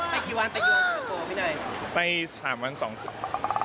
ไปกี่วันไปกี่วันสนับโปร์นี่หน่อย